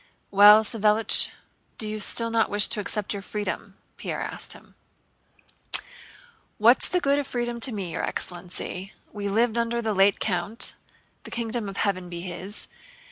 "Well, Savélich, do you still not wish to accept your freedom?" Pierre asked him. "What's the good of freedom to me, your excellency? We lived under the late count—the kingdom of heaven be his!